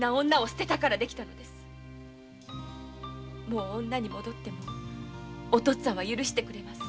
もう女に戻ってもお父っつぁんは許してくれます。